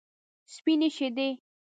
سپینې شیدې.